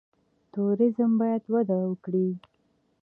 توریزم باید وده وکړي